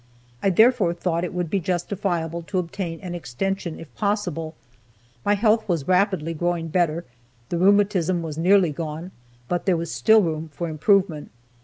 I therefore thought it would be justifiable to obtain an extension, if possible. My health was rapidly growing better, the rheumatism was nearly gone but there was still room for improvement.